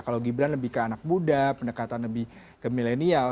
kalau gibran lebih ke anak muda pendekatan lebih ke milenial